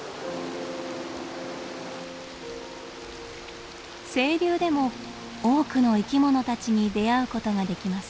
清流でも多くの生き物たちに出会うことができます。